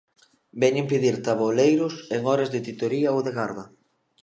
Veñen pedir taboleiros en horas de titoría ou de garda.